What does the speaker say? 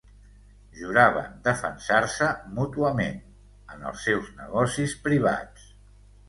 Juraven defensar-se mútuament... en els seus negocis privats!